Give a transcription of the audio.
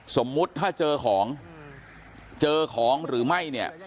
สมมุติถ้าเจอของเจอของหรือไม่เนี่ย